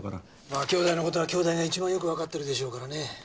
まあ姉弟のことは姉弟が一番よく分かってるでしょうからね